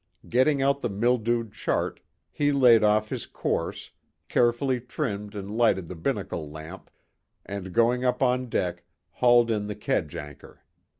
Getting out the mildewed chart, he laid off his course, carefully trimmed and lighted the binnacle lamp, and going up on deck hauled in the kedge anchor.